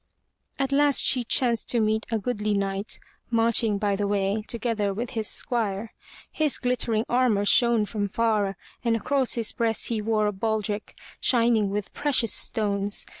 At last she chanced to meet a goodly knight marching by the way, together with his squire. His glittering armor shone from far and across his breast he wore a baldric shining with precious stones.